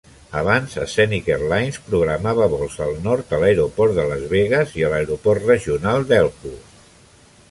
Abans Scenic Airlines programava vols al nord a l'aeroport de Las Vegas i a l'aeroport regional de Elko.